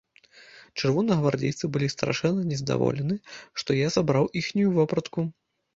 Чырвонагвардзейцы былі страшэнна нездаволены, што я забраў іхнюю вопратку.